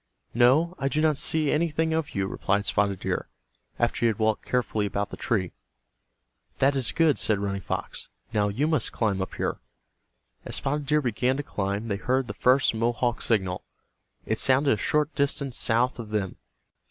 "No, I do not see anything of you," replied Spotted Deer, after he had walked carefully about the tree. "That is good," said Running Fox. "Now you must climb up here." As Spotted Deer began to climb they heard the first Mohawk signal. It sounded a short distance south of them.